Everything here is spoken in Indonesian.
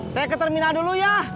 saya ke terminal dulu ya